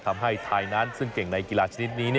ทำให้ไทยนั้นซึ่งเก่งในกีฬาชนิดนี้